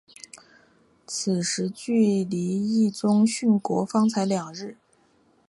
此时距离毅宗殉国方才两日。